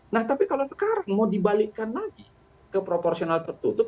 nah tapi kalau sekarang mau dibalikkan lagi ke proporsional tertutup